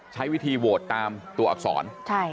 ใช้วิธีโหวตตามตัวอักษร